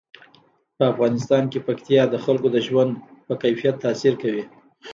په افغانستان کې پکتیا د خلکو د ژوند په کیفیت تاثیر کوي.